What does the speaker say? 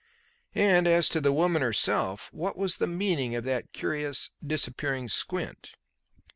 And, as to the woman herself: what was the meaning of that curious disappearing squint?